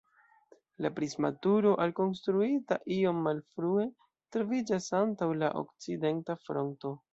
La prisma turo, alkonstruita iom malfrue, troviĝas antaŭ la okcidenta fronto.